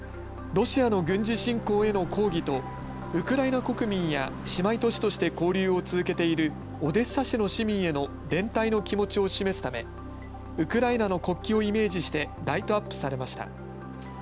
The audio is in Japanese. ロシアの軍事侵攻への抗議とウクライナ国民や姉妹都市として交流を続けているオデッサ市の市民への連帯の気持ちを示すためウクライナの国旗をイメージしてライトアップされました。